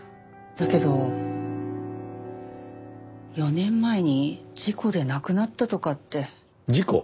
だけど４年前に事故で亡くなったとかって。事故？